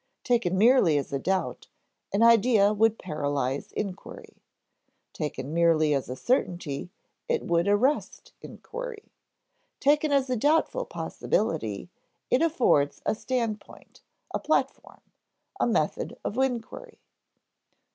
Taken merely as a doubt, an idea would paralyze inquiry. Taken merely as a certainty, it would arrest inquiry. Taken as a doubtful possibility, it affords a standpoint, a platform, a method of inquiry.